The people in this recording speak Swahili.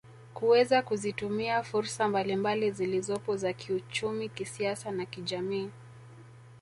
Kuweza kuzitumia fursa mbalimbali zilizopo za kiuchumi kisiasa na kijamii